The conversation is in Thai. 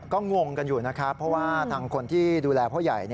ก็งงกันอยู่นะครับเพราะว่าทางคนที่ดูแลพ่อใหญ่